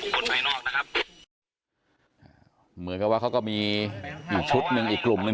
คนภายนอกนะครับเหมือนกับว่าเขาก็มีอีกชุดหนึ่งอีกกลุ่มหนึ่ง